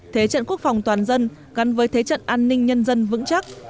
thế trận quốc phòng toàn dân gắn với thế trận an ninh nhân dân vững chắc